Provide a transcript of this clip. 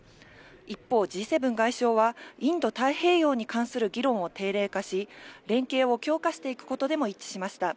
一方、Ｇ７外相はインド太平洋に関する議論を定例化し、連携を強化していくことでも一致しました。